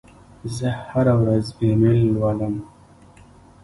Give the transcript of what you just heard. زه هره ورځ ایمیل لولم.